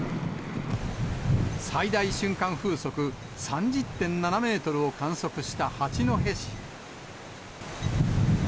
最大瞬間風速３０．７メートルを観測した八戸市。